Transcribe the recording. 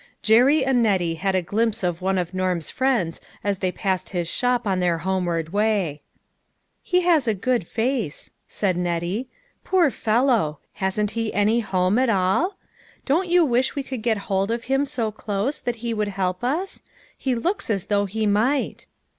Jerry and Nettie had a glimpse of one of Norm's friends as they passed his shop on their homeward way. " He has a good face," said Nettie. * Poor fellow! Hasn't he any home at all? Don't you wish we could get hold of him so close that he would help us ? He looks as though he might."